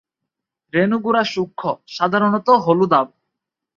রেণু গুঁড়া সূক্ষ্ম, সাধারণত হলুদাভ।